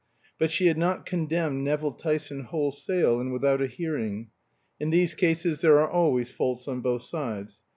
But she had not condemned Nevill Tyson wholesale and without a hearing; in these cases there are always faults on both sides.